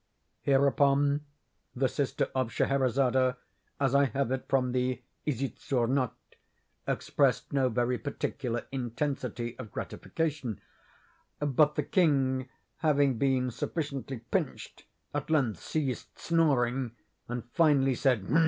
Hereupon the sister of Scheherazade, as I have it from the "Isitsöornot," expressed no very particular intensity of gratification; but the king, having been sufficiently pinched, at length ceased snoring, and finally said, "Hum!"